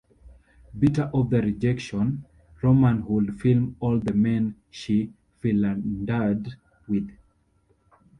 Bitter over the rejection, Roman would film all the men she philandered with.